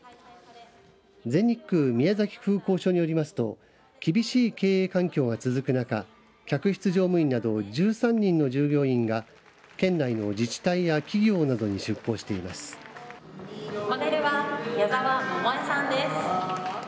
全日空宮崎空港所によりますと厳しい経営環境が続く中客室乗務員など１３人の従業員が県内の自治体や企業などに出向しています。